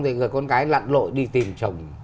thì người con gái lặn lội đi tìm chồng